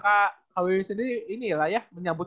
kak wiwin sendiri ini lah ya menyambut